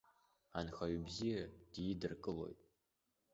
Анхаҩы бзиа дидыркылоит.